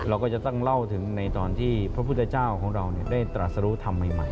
เราก็จะต้องเล่าถึงในตอนที่พระพุทธเจ้าของเราได้ตรัสรุธรรมใหม่